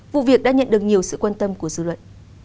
vụ việc đã nhận được nhiều sự quan tâm của dư luận